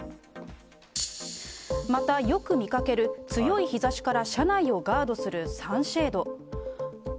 また、よく見かける強い日ざしから車内をガードするサンシェード。